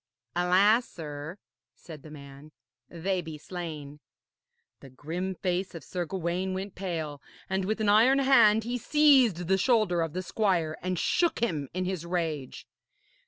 'Alas, sir,' said the man, 'they be slain.' The grim face of Sir Gawaine went pale, and with an iron hand he seized the shoulder of the squire and shook him in his rage.